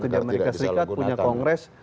di amerika serikat punya kongres